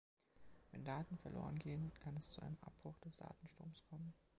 Wenn Daten verloren gehen, kann es zu einem Abbruch des Datenstroms kommen.